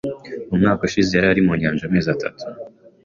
Umwaka ushize, yari mu nyanja amezi atatu.